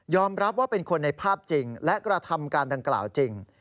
รับว่าเป็นคนในภาพจริงและกระทำการดังกล่าวจริง